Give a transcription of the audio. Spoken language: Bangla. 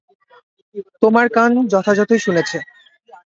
তোমার কান যথাযথই শুনেছে।